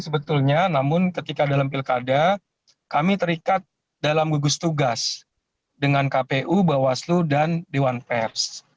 sebetulnya namun ketika dalam pilkada kami terikat dalam gugus tugas dengan kpu bawaslu dan dewan pers